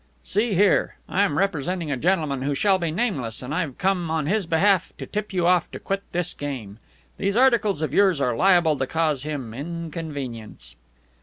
"See here, I'm representing a gentleman who shall be nameless, and I've come on his behalf to tip you off to quit this game. These articles of yours are liable to cause him inconvenience."